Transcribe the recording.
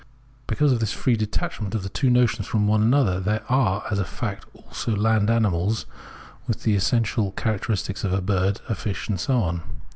Because of this free detachment of the two notions from one another, there are as a fact also land animals with the essential characters of a bird, of fish, and so on.